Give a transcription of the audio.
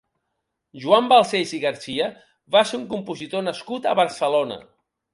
Joan Balcells i Garcia va ser un compositor nascut a Barcelona.